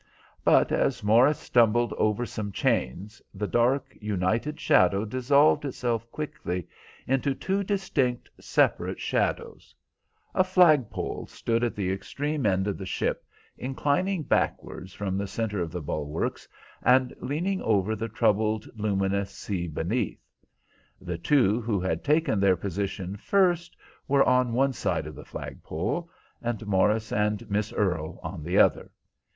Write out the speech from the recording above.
But as Morris stumbled over some chains, the dark, united shadow dissolved itself quickly into two distinct separate shadows. A flagpole stood at the extreme end of the ship, inclining backwards from the centre of the bulwarks, and leaning over the troubled, luminous sea beneath. The two who had taken their position first were on one side of the flag pole and Morris and Miss Earle on the other.